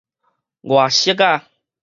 外室仔